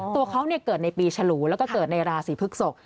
ตัวเขาเกิดในปีฉลูแล้วก็เกิดในราศีพฤกษก